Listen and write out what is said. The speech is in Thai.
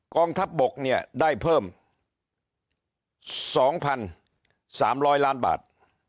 กองทัพบกเนี่ยได้เพิ่ม๒๓๐๐ล้านบาท